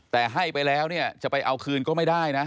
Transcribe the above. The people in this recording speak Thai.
แต่ให้ไปแล้วเนี่ยจะไปเอาคืนก็ไม่ได้นะ